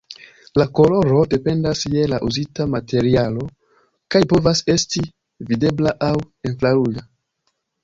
La koloro dependas je la uzita materialo, kaj povas esti videbla aŭ infraruĝa.